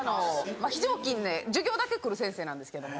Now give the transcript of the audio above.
まぁ非常勤で授業だけ来る先生なんですけども。